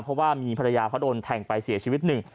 เพราะว่ามีภรรยาเขาโดนแทงไปเสียชีวิตหนึ่ง